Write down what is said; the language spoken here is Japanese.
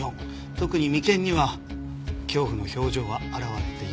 特に眉間には恐怖の表情が表れていません。